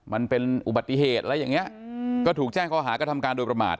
มันเป็นอุบัติเหตุอะไรอย่างเงี้ยก็ถูกแจ้งข้อหากระทำการโดยประมาท